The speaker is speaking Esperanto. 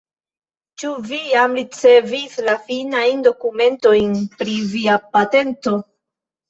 Ĉu vi jam ricevis la finajn dokumentojn pri via patento?